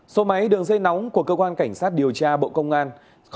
số máy đường dây nóng của cơ quan cảnh sát điều tra bộ công an